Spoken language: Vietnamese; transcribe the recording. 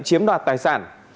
chiếm đoạt tài sản